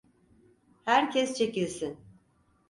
Herkes çekilsin.